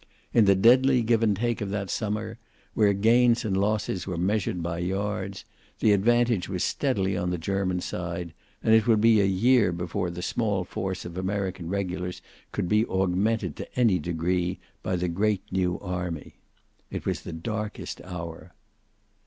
In the deadly give and take of that summer, where gains and losses were measured by yards, the advantage was steadily on the German side, and it would be a year before the small force of American regulars could be augmented to any degree by the great new army. It was the darkest hour.